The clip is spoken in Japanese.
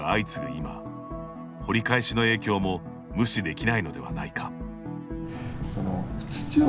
今掘り返しの影響も無視できないのではないか。